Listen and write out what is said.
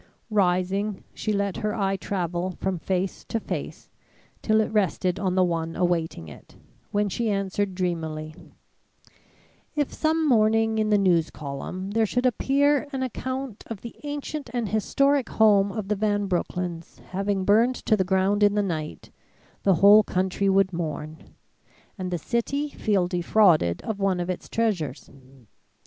Rising, she let her eye travel from face to face till it rested on the one awaiting it, when she answered dreamily: "If some morning in the news column there should appear an account of the ancient and historic home of the Van Broecklyns having burned to the ground in the night, the whole country would mourn, and the city feel defrauded of one of its treasures.